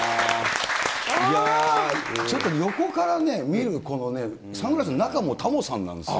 ちょっとね、横から見るこのね、サングラスの中もタモさんなんですよ。